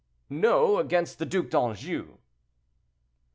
"No; against the Duc d'Anjou."